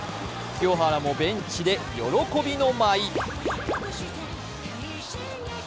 清原もベンチで喜びの舞。